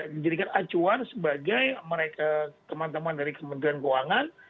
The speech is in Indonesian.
menjadikan acuan sebagai teman teman dari kementerian keuangan